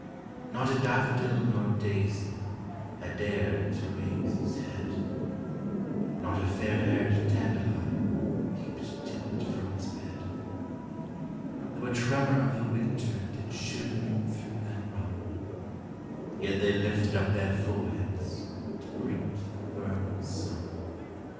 Not a daffodil nor daisy Had dared to raise its head; Not a fairhaired dandelion Peeped timid from its bed; THE CROCUSES. 5 Though a tremor of the winter Did shivering through them run; Yet they lifted up their foreheads To greet the vernal sun.